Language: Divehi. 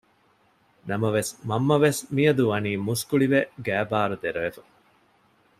ނަމަވެސް މަންމަވެސް މިއަދު ވަނީ މުސްކުޅިވެ ގައިބާރު ދެރަވެފަ